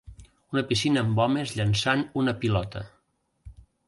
Una piscina amb homes llançant una pilota.